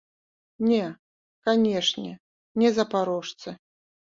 Не, канешне, не запарожцы.